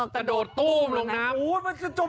ไปแล้วกัน